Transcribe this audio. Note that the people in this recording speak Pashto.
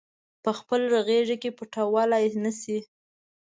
پخپله غیږ کې پټولای نه شي